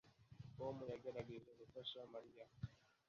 Tom yagerageje gufasha Mariya